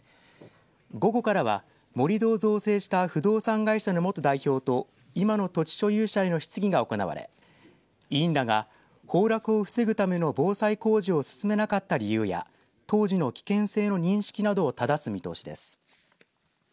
午後からは盛り土を造成した不動産会社の元代表と今の土地所有者への質疑が行われ委員らが崩落を防ぐための防災工事を進めなかった理由や当時の危険性の認識などを正す見通しです。